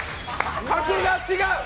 格が違う！